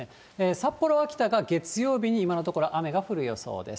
札幌、秋田は月曜日に今のところ、雨が降る予想です。